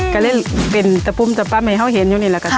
ก็เลยเป็นตะปุ้มตะปั๊มให้เขาเห็นอยู่นี่แหละค่ะ